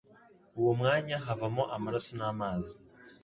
uwo mwanya havamo amaraso n'amazi.